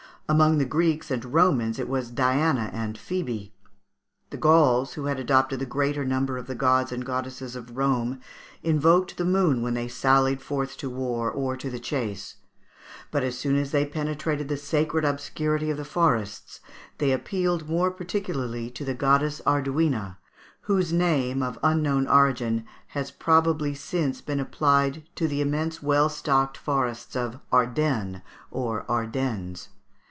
Among the Greeks and Romans it was Diana and Phoebe. The Gauls, who had adopted the greater number of the gods and goddesses of Rome, invoked the moon when they sallied forth to war or to the chase; but, as soon as they penetrated the sacred obscurity of the forests, they appealed more particularly to the goddess Ardhuina, whose name, of unknown origin, has probably since been applied to the immense well stocked forests of Ardenne or Ardennes.